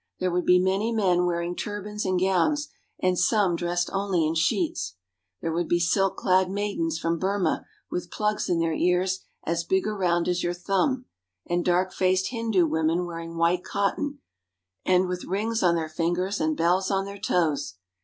There would be many men wearing turbans and gowns, and some dressed only in sheets. There would be silk clad maidens from Burma with plugs in their ears as big around as your thumb, and dark faced Hindu women wearing white cotton, and with rings on their fingers and bells on their toes.